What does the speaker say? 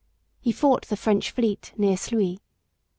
He fought the French fleet near Sluys.